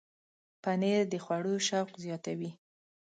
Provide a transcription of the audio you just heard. پنېر د خوړو شوق زیاتوي.